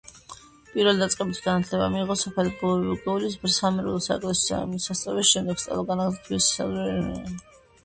პირველდაწყებითი განათლება მიიღო სოფელ ბუგეულის სამრევლო-საეკლესიო სასწავლებელში, შემდეგ სწავლა განაგრძო თბილისის სასულიერო სემინარიაში.